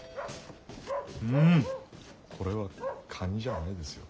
これはカニじゃないですよ。